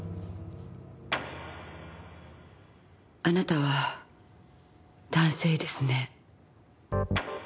あなたは男性ですね。